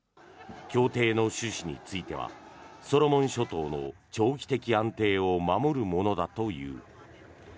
協定の趣旨についてはソロモン諸島の長期的安定を守るものだという。